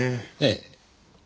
ええ。